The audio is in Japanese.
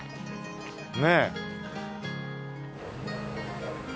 ねえ。